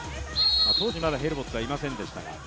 当時、まだヘルボッツはいませんでしたが。